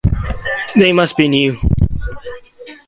They must be new.